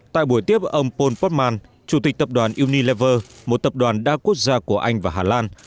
tại buổi tiếp ông pom potman chủ tịch tập đoàn unilever một tập đoàn đa quốc gia của anh và hà lan